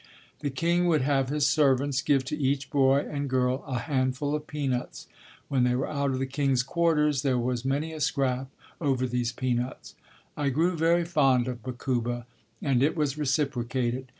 The king would have his servants give to each boy and girl a handful of peanuts. When they were out of the king's quarters there was many a scrap over these peanuts. I grew very fond of Bakuba and it was reciprocated.